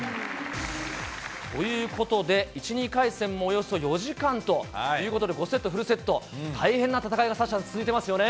ということで、１、２回戦もおよそ４時間ということで、５セットフルセット、大変な戦いがサッシャさん、続いてますよね。